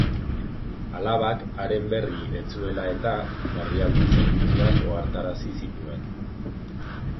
Alabak, haren berri ez zuela eta, larrialdi zerbitzuak ohartarazi zituen.